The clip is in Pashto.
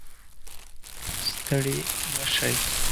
ستړې مه شئ